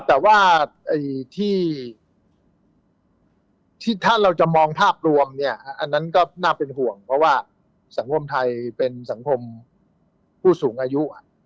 แต่ว่าที่ถ้าเราจะมองภาพรวมเนี่ยอันนั้นก็น่าเป็นห่วงเพราะว่าสังคมไทยเป็นสังคมผู้สูงอายุ